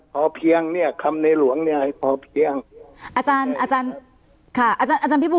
พอเพียงเนี้ยคำในหลวงเนี้ยพอเพียงอาจารย์อาจารย์